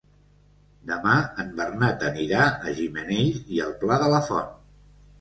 Demà en Bernat anirà a Gimenells i el Pla de la Font.